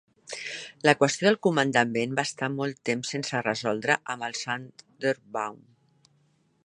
La qüestió del comandament va estar molt temps sense resoldre amb el Sonderbund.